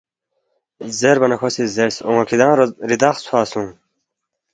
زیربا نہ کھو سی زیرس، اون٘ا کِھدانگ ریدخ ژھوا سونگ